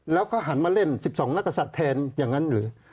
แล้วก็หันมาเล่น๑๒นักศัตริย์แทนอย่างนั้นหรือ